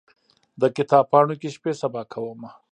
د کتاب پاڼو کې شپې سبا کومه